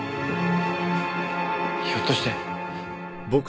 ひょっとして。